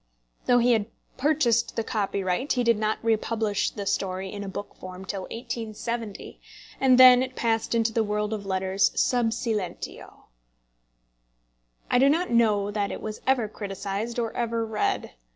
Though he had purchased the copyright, he did not republish the story in a book form till 1870, and then it passed into the world of letters sub silentio. I do not know that it was ever criticised or ever read.